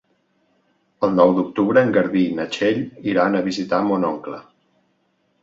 El nou d'octubre en Garbí i na Txell iran a visitar mon oncle.